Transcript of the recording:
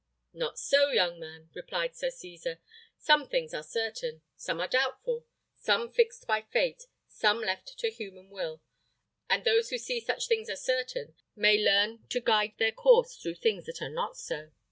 "Not so, young man," replied Sir Cesar: "some things are certain, some are doubtful: some fixed by fate, some left to human will; and those who see such things are certain, may learn to guide their course through things that are not so.